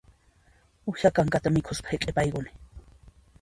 Uwiha kankata mikhuspa hiq'ipayuni